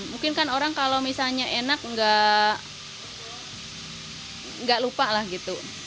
mungkin kan orang kalau misalnya enak nggak lupa lah gitu